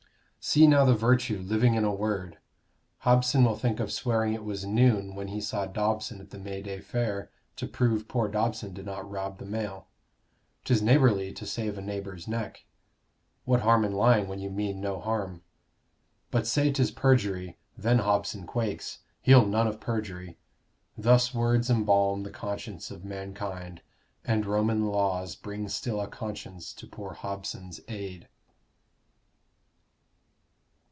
See now the virtue living in a word! Hobson will think of swearing it was noon When he saw Dobson at the May day fair, To prove poor Dobson did not rob the mail. 'Tis neighborly to save a neighbor's neck: What harm in lying when you mean no harm? But say 'tis perjury, then Hobson quakes He'll none of perjury. Thus words embalm The conscience of mankind: and Roman laws Bring still a conscience to poor Hobson's aid.